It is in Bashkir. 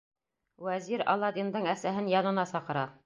Вәзир Аладдиндың әсәһен янына саҡыра.